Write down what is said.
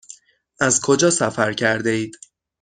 از کجا سفر کرده اید؟